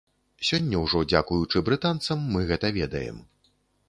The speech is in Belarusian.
Сёння ўжо дзякуючы брытанцам мы гэта ведаем.